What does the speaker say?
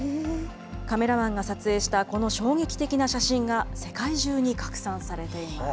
カメラマンが撮影したこの衝撃的な写真が、世界中に拡散されています。